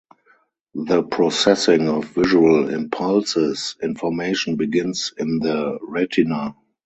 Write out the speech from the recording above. The processing of visual impulses (information) begins in the retina.